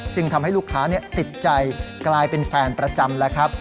ทำให้ลูกค้าติดใจกลายเป็นแฟนประจำแล้วครับ